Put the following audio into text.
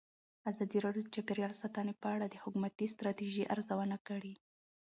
ازادي راډیو د چاپیریال ساتنه په اړه د حکومتي ستراتیژۍ ارزونه کړې.